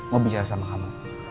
mau bicara sama kamu